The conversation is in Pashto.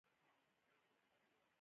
د ایدیالوژیکو مشترکاتو په دلیل.